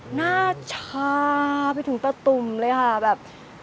หน้าชาไปถึงตะตุ่มเลยค่ะแบบ